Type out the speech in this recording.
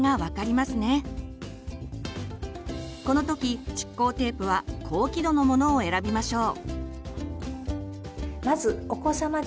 この時蓄光テープは「高輝度」のものを選びましょう。